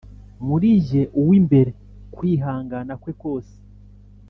muri jye uw’imbere kwihangana kwe kose